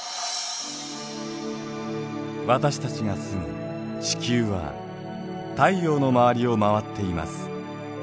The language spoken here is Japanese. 私たちが住む地球は太陽の周りを回っています。